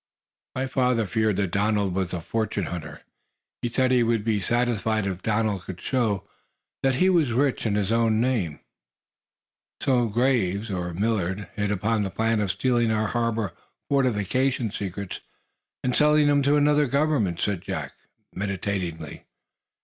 "My father feared that Donald was a fortune hunter. He said he would be satisfied if Donald could show that he were rich in his own name." "So, then, Graves, or Millard, hit upon the plan of stealing our harbor fortification secrets and selling them to another government," said Jack, meditatingly.